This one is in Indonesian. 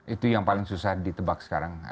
itu yang paling susah ditebak sekarang